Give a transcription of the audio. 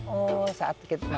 oh saat kita masak itu